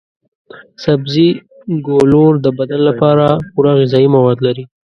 سبزي ګولور د بدن لپاره پوره غذايي مواد لري.